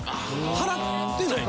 払ってない多分。